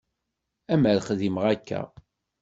Amer xdimeɣ akka.